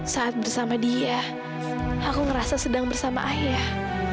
saat bersama dia aku ngerasa sedang bersama ayah